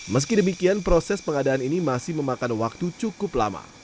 meski demikian proses pengadaan ini masih memakan waktu cukup lama